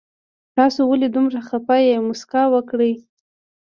تاسو ولې دومره خفه يي مسکا وکړئ